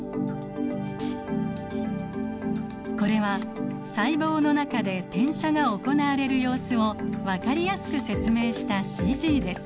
これは細胞の中で転写が行われる様子を分かりやすく説明したＣＧです。